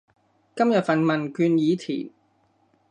今日份問卷已填